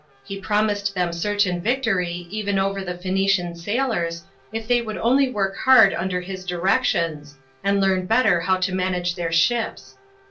He promised them certain victory, even, over the Phoenician sailors, if they would only work hard under his directions, afid learn better how to manage their ships.